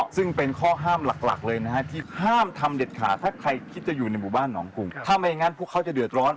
ซึ่งเป็นข้อห้ามหลักเลยนะฮะที่ห้ามทำเด็ดขาดถ้าใครคิดจะอยู่ในหมู่บ้านหนองกรุงถ้าไม่งั้นพวกเขาจะเดือดร้อน